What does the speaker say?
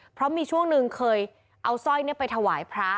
เพราะมีช่วงหนึ่งเคยเอาสร้อยไปถวายพระ